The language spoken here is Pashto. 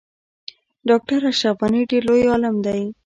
ډاکټر اشرف غنی ډیر لوی عالم دی